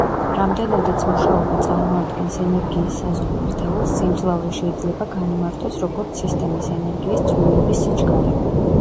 რამდენადაც მუშაობა წარმოადგენს ენერგიის საზომ ერთეულს, სიმძლავრე შეიძლება განიმარტოს, როგორც სისტემის ენერგიის ცვლილების სიჩქარე.